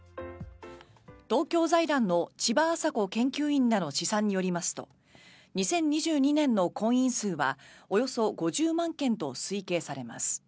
東京財団の千葉安佐子研究員らの試算によりますと２０２２年の婚姻数はおよそ５０万件と推計されます。